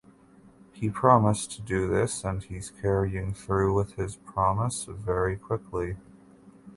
He promised to do this and he’s carrying through with his promise very quickly.